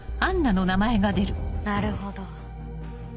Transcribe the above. なるほど。